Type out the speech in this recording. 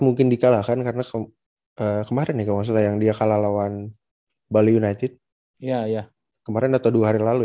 mungkin dikalahkan karena kemarin yang dia kalah lawan bali united ya ya kemarin atau dua hari lalu